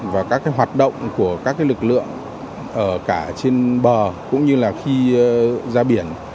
và các hoạt động của các lực lượng ở cả trên bờ cũng như là khi ra biển